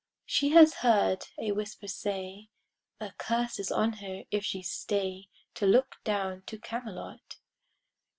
She has heard a whisper say, A curse is on her if she stay To look down to Camelot.